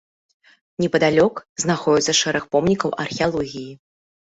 Непадалёк знаходзяцца шэраг помнікаў археалогіі.